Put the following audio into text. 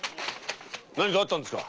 何かあったんですか？